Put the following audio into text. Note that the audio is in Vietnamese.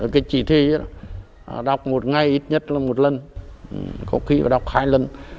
cái chỉ thị đó đọc một ngày ít nhất là một lần có khi đọc hai lần